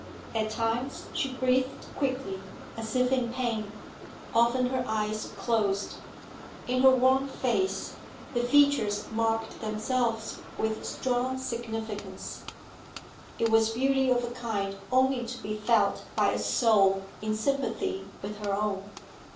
At times she breathed quickly, as if in pain; often her eyes closed. In her worn face, the features marked themselves with strong significance; it was beauty of a kind only to be felt by a soul in sympathy with her own.